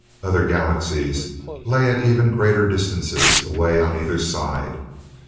Other Galaxies lay at even greater distances away on either side.